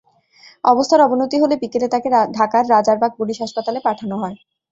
অবস্থার অবনতি হলে বিকেলে তাঁকে ঢাকার রাজারবাগ পুলিশ হাসপাতালে পাঠানো হয়।